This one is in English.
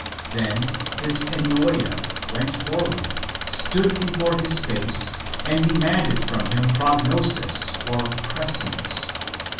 Then this Ennoea went forward, stood before his face, and demanded from him Prognosis (pre science).